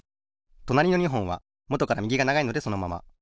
となりの２ほんはもとからみぎがながいのでそのまま。